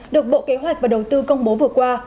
được bộ kế hoạch và đầu tư công bố vừa qua